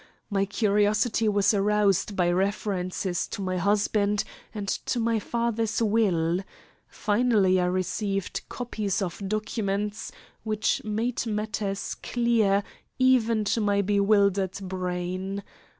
My curiosity was aroused by references to my husband and to my father's will. Finally, I received copies of documents which made matters clear even to my bewildered brain.